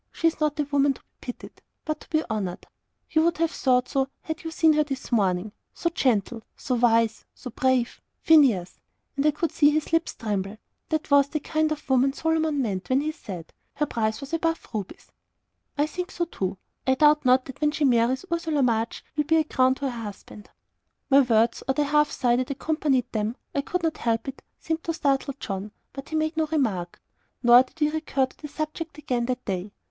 She is not a woman to be pitied, but to be honoured. You would have thought so, had you seen her this morning. So gentle so wise so brave. Phineas," and I could see his lips tremble "that was the kind of woman Solomon meant, when he said, 'Her price was above rubies.'" "I think so too. I doubt not that when she marries Ursula March will be 'a crown to her husband.'" My words, or the half sigh that accompanied them I could not help it seemed to startle John, but he made no remark. Nor did we recur to the subject again that day.